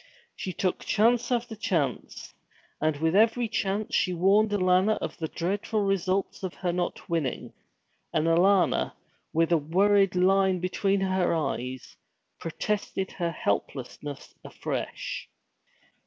She took chance after chance. And with every chance she warned Alanna of the dreadful results of her not winning; and Alanna, with a worried line between her eyes, protested her helplessness afresh.